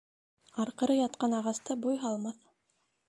Арҡыры ятҡан ағасты буй һалмаҫ.